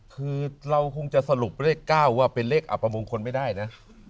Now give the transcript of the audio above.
คือเราคงจะสรุปเรื่องเวก๙ว่าเป็นเลขอบบงคลไม่ได้นะ